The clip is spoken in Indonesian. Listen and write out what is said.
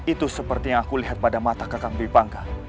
itu seperti yang aku lihat pada mata kakang dwi pangga